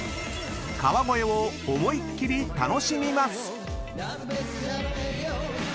［川越を思いっ切り楽しみます］